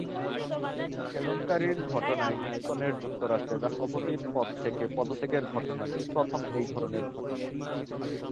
কেলেঙ্কারির ঘটনায় নিক্সনের যুক্তরাষ্ট্রের রাষ্ট্রপতির পদ থেকে পদত্যাগের ঘটনাটি প্রথম এই ধরনের ঘটনা।